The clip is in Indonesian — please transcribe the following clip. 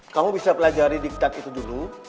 kamu bisa pelajari diklat itu dulu